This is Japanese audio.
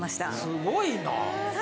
すごいな。